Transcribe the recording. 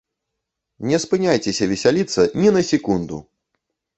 Не спыняйцеся весяліцца ні на секунду!